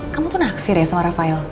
kamu tuh naksir ya sama rafael